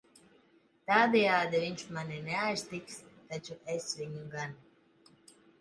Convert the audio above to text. Tādejādi viņš mani neaiztiks, taču es viņu gan.